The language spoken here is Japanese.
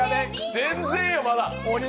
全然や、まだ。